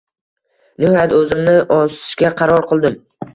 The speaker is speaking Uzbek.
Nihoyat o`zimni osishga qaror qildim